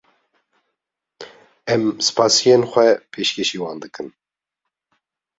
Em spasiyên xwe pêşkeşî wan dikin.